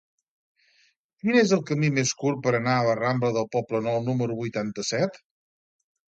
Quin és el camí més curt per anar a la rambla del Poblenou número vuitanta-set?